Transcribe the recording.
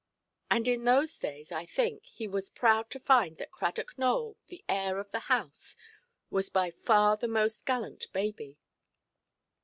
And in those days, I think, he was proud to find that Cradock Nowell, the heir of the house, was by far the more gallant baby.